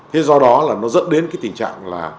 thế do đó là nó dẫn đến cái tình trạng là